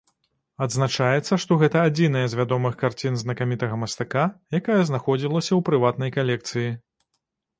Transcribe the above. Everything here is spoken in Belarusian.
Адзначаецца, што гэта адзіная з вядомых карцін знакамітага мастака, якая знаходзілася ў прыватнай калекцыі.